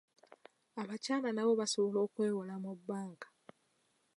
Abakyala nabo basobola okwewola mu bbanka.